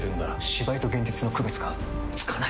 芝居と現実の区別がつかない！